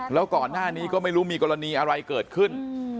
แล้วก่อนหน้านี้ก็ไม่รู้มีกรณีอะไรเกิดขึ้น